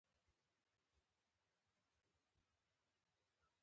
هو، پلاستیکی خلطی چاپیریال ته زیان رسوی